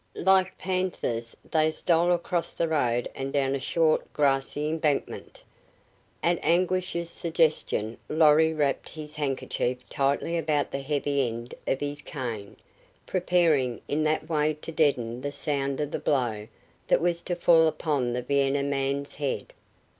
Like panthers they stole across the road and down a short, grassy embankment. At Anguish's suggestion Lorry wrapped his handkerchief tightly about the heavy end of his cane, preparing in that way to deaden the sound of the blow that was to fall upon the Vienna man's head.